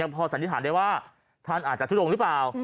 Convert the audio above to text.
พอสัญญาณได้ว่าท่านอาจจะธุดงศ์หรือเปล่า